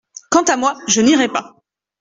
Quant à moi, je n’irai pas.